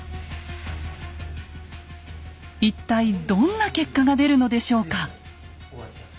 一体どんな結果が出るのでしょうか。